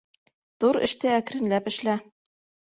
Ҙур эште әкренләп эшлә.